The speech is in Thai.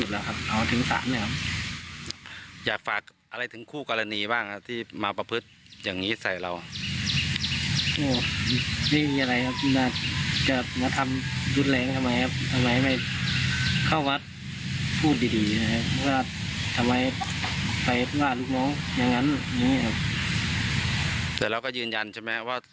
เรากับนายุทธ์ไม่มีเคยมีปัญหากัน